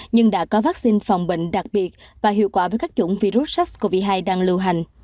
nhưng đã có vaccine phòng bệnh đặc biệt và hiệu quả với các chủng virus sars cov hai đang lưu hành